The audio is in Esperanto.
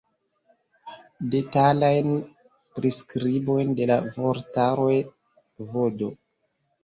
Detalajn priskribojn de la vortaroj vd.